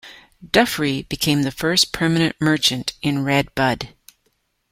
Dufree became the first permanent merchant in Red Bud.